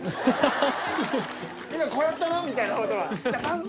今こうやったなみたいな音がダパン！